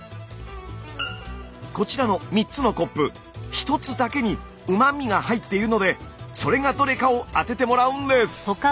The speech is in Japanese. こちらの３つのコップ１つだけにうま味が入っているのでそれがどれかを当ててもらうんです！